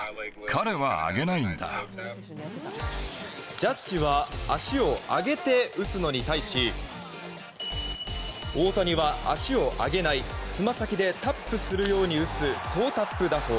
ジャッジは足を上げて打つのに対し大谷は足を上げないつま先でタップするように打つトータップ打法。